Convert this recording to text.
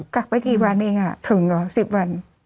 กักไปกี่วันเองถึงเหรอ๑๐วัน